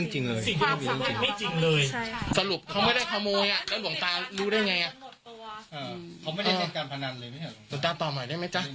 หลวงตาตอบหน่อยได้ไหมจ๊ะ